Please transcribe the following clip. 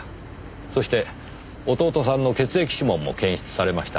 そして弟さんの血液指紋も検出されました。